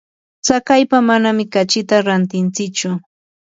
tsakaypa manami kachita rantintsichu.